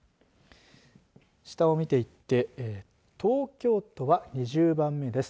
下を見ていって東京都は２０番目です。